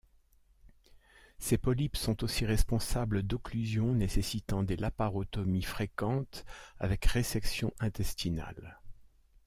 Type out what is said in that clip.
Ces polypes sont aussi responsables d'occlusions nécessitant des laparotomies fréquentes avec résection intestinale.